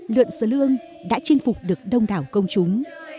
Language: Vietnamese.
lượn slo lương đã chinh phục được đông đảo công chúng